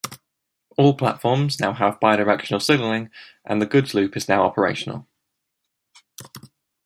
All platforms now have bi-directional signalling, and the goods loop is now operational.